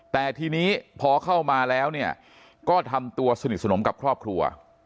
แต่ทีนี้พอเข้ามาแล้วเนี่ยก็ทำตัวสนิทสนมกับครอบครัว